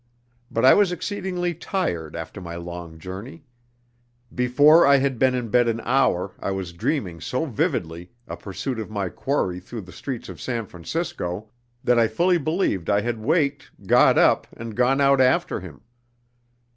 But I was exceedingly tired after my long journey. Before I had been in bed an hour I was dreaming so vividly a pursuit of my quarry through the streets of San Francisco, that I fully believed I had waked, got up, and gone out after him.